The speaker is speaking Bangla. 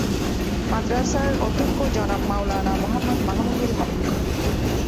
মাদ্রাসার অধ্যক্ষ জনাব মাওলানা মুহাম্মদ মাহমুদুল হক।